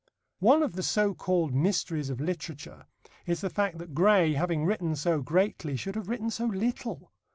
One of the so called mysteries of literature is the fact that Gray, having written so greatly, should have written so little.